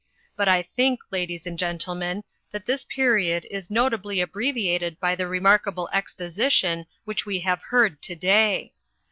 But I think, ladies and gentlemen, that this period is notably abbreviated by the remarkable exposition which we have heard today.